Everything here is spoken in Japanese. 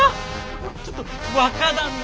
ちょっと若旦那！